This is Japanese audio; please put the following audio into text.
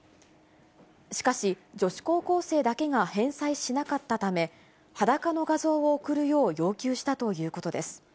しかし、女子高校生だけが返済しなかったため、裸の画像を送るよう要求したということです。